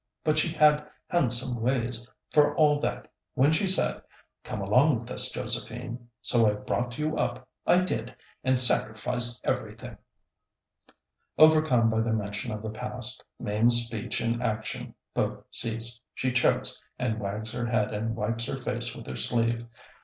But she had handsome ways, for all that, when she said, 'Come along with us, Josephine!' So I brought you up, I did, and sacrificed everything...." Overcome by the mention of the past, Mame's speech and action both cease. She chokes and wags her head and wipes her face with her sleeve.